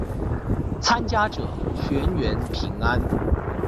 参加者全员平安。